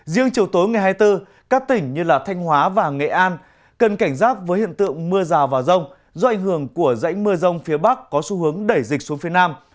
riêng chiều tối ngày hai mươi bốn các tỉnh như thanh hóa và nghệ an cần cảnh giác với hiện tượng mưa rào và rông do ảnh hưởng của rãnh mưa rông phía bắc có xu hướng đẩy dịch xuống phía nam